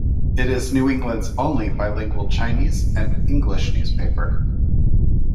It is New England's only bilingual Chinese and English newspaper.